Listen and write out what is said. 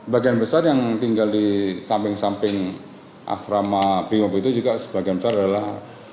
bagian besar yang tinggal di samping samping asrama brimob itu juga sebagian besar adalah